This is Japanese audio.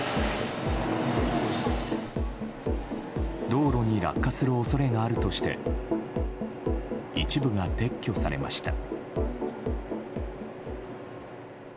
道路に落下する恐れがあるとして一部が撤去されました。